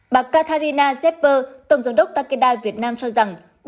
bà katharina zeper tổng giám đốc takeda việt nam cho rằng